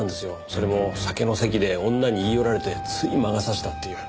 それも酒の席で女に言い寄られてつい魔が差したっていう。